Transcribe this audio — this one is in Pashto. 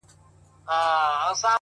هره تجربه د ژوند ښوونځی دی